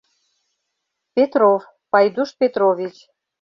Петров, Пайдуш Петрович...